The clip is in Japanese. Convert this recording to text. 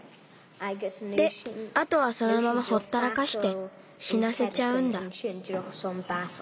であとはそのままほったらかしてしなせちゃうんだ。